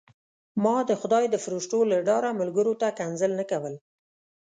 ما د خدای د فرښتو له ډاره ملګرو ته کنځل نه کول.